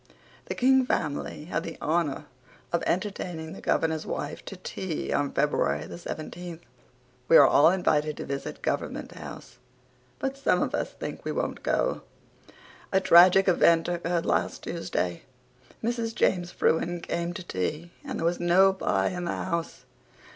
The King family had the honour of entertaining the Governor's wife to tea on February the seventeenth. We are all invited to visit Government House but some of us think we won't go. A tragic event occurred last Tuesday. Mrs. James Frewen came to tea and there was no pie in the house.